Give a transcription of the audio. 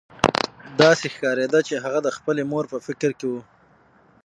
داسې ښکارېده چې هغه د خپلې مور په فکر کې و